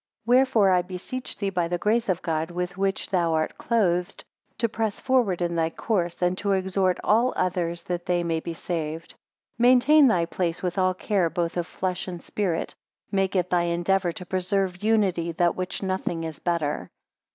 3 Wherefore I beseech thee by the grace of God with which thou art clothed, to press forward in thy course, and to exhort all others that they may be saved. 4 Maintain thy place with all care both of flesh and spirit: Make it thy endeavour to preserve unity, than which nothing is better.